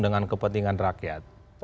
dengan kepentingan rakyat